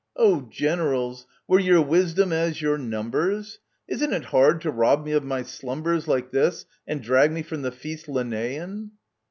Oh, generals, were your wisdom as your numbers ! Isn't it hard to rob me of my slumbers Like this, and drag me from the feast Lenaean